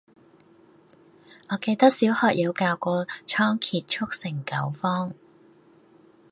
我記得小學有教過倉頡速成九方